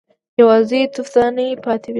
_يوازې تفدانۍ پاتې دي.